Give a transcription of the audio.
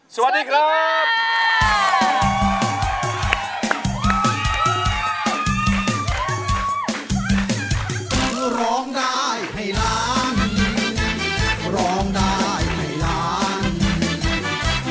สวัสดีครับ